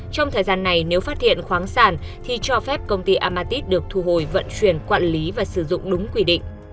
trong thời gian này nếu phát hiện khoáng sản thì cho phép công ty amatit được thu hồi vận chuyển quản lý và sử dụng đúng quy định